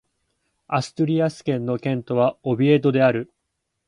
アストゥリアス県の県都はオビエドである